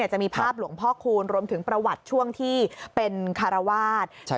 จะมีภาพหลวงพ่อคูณรวมถึงประวัติช่วงที่เป็นคารวาส